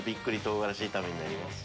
唐辛子炒めになります。